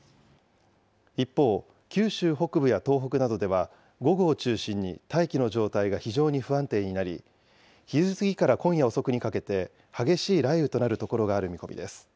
一方、九州北部や東北などでは、午後を中心に大気の状態が非常に不安定になり、昼過ぎから今夜遅くにかけて、激しい雷雨となる所がある見込みです。